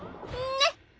ねっ。